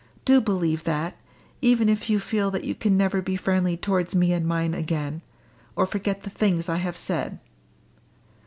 Do believe that, even if you feel that you can never be friendly towards me and mine again or forget the things I have said!"